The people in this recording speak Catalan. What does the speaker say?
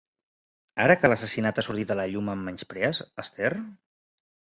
Ara que l'assassinat ha sortit a la llum em menysprees, Esther?